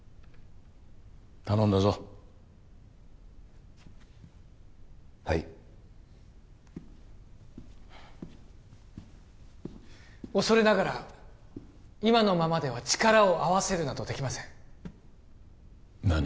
頼んだぞはい恐れながら今のままでは力を合わせるなどできません何？